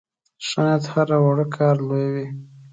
ښه نیت هره وړه کار لویوي.